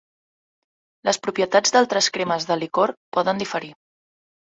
Les propietats d'altres cremes de licor poden diferir.